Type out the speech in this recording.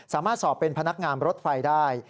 สามารถสอบเป็นพนักงานรถไฟได้